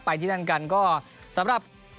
ที่นั่นกันก็สำหรับ